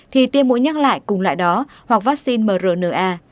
thì tiêm mũi nhắc lại cùng loại đó hoặc vaccine mrna